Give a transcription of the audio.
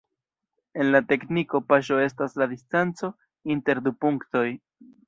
En la tekniko paŝo estas la distanco inter du punktoj.